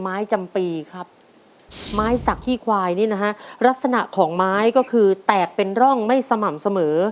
ไม้จำปีครับไม้สักขี้ควายนี่นะฮะลักษณะของไม้ก็คือแตกเป็นร่องไม่สม่ำเสมอ